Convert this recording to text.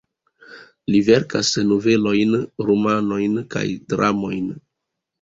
Li verkas novelojn, romanojn kaj dramojn.